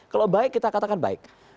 kalau baik kita katakan baik